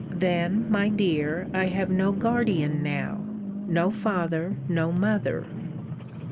Then, my dear, I have no guardian now; no father, no mother!